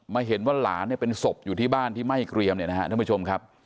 เห็นว่าหลานเนี่ยเป็นศพอยู่ที่บ้านที่ไหม้เกรียมเนี่ยนะฮะท่านผู้ชมครับ